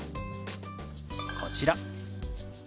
こちら。